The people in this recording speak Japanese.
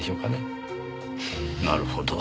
なるほど。